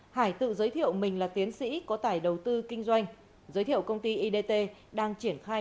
hải tự giới thiệu mình là tiến sĩ có tải đầu tư kinh doanh giới thiệu công ty idt đang triển khai